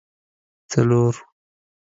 څلور